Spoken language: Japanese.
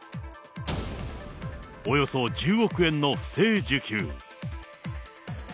およそ１０億円の不正受給。